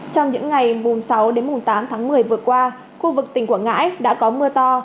trong những ngày sáu tám tháng một mươi vừa qua khu vực tỉnh quảng ngãi đã có mưa to